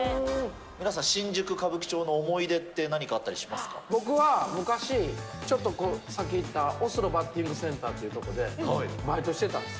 皆さん、新宿・歌舞伎町の思僕は昔、ちょっと先にいった、オスローバッティングセンターっていう所で、バイトしてたんです。